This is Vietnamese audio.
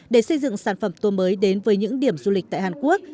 để xây dựng sản phẩm tour mới đến với những điểm du lịch tại hàn quốc